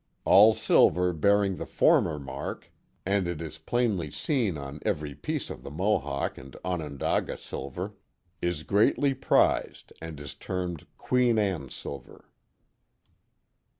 All silver bearing the former mark (and it is plainly seen on every piece of the Mohawk and Onondaga silver), is greatly prized, and is termed Queen Anne silver.